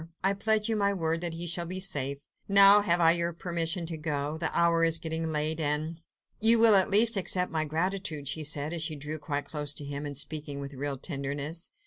I pledge you my word that he shall be safe. Now, have I your permission to go? The hour is getting late, and ..." "You will at least accept my gratitude?" she said, as she drew quite close to him, and speaking with real tenderness.